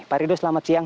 pak rido selamat siang